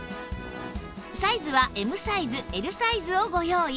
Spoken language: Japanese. サイズは Ｍ サイズ Ｌ サイズをご用意